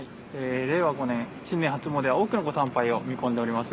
令和５年、新年初もうでは多くのご参拝を見込んでおります。